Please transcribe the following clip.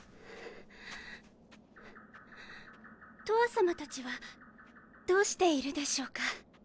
とわさま達はどうしているでしょうか。